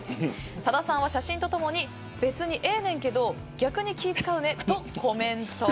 多田さんは写真とともに別にええねんけど逆に気を使うねとコメント。